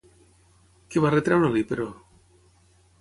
Què va retreure-li, però?